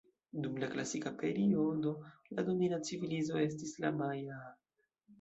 Dum la Klasika periodo la domina civilizo estis la Majaa.